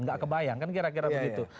tidak terbayang kan kira kira begitu